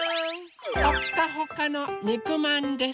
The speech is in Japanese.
ほっかほかのにくまんです！